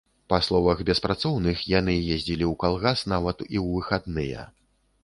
Па словах беспрацоўных, яны ездзілі ў калгас нават і ў выхадныя.